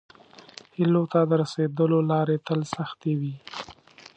هیلو ته د راسیدلو لارې تل سختې وي.